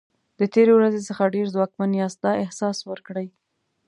د تېرې ورځې څخه ډېر ځواکمن یاست دا احساس ورکړئ.